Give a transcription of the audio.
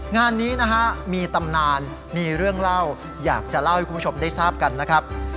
งานนี้นะฮะมีตำนานมีเรื่องเล่าอยากจะเล่าให้คุณผู้ชมได้ทราบกันนะครับ